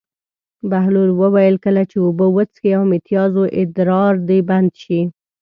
بهلول وویل: کله چې اوبه وڅښې او د متیازو ادرار دې بند شي.